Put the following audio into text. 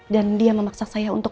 dan dia memaksa saya untuk